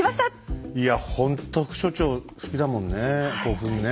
いやほんと副所長好きだもんね古墳ね。